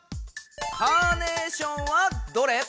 「カーネーションはどれ？」。